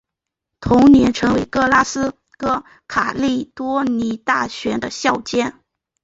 同年成为格拉斯哥卡利多尼安大学的校监。